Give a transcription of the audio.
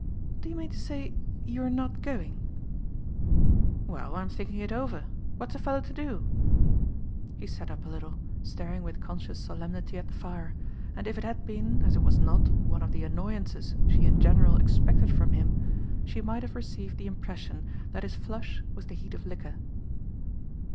"Do you mean to say you're not going?" "Well, I'm thinking it over. What's a fellow to do?" He sat up a little, staring with conscious solemnity at the fire, and if it had been as it was not one of the annoyances she in general expected from him, she might have received the impression that his flush was the heat of liquor.